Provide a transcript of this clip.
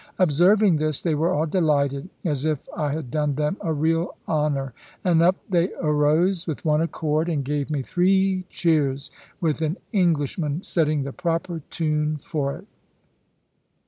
Observing this, they were all delighted, as if I had done them a real honour; and up they arose with one accord, and gave me three cheers, with an Englishman setting the proper tune for it.